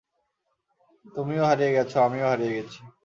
তুমিও হারিয়ে গেছো আমিও হারিয়ে গেছি।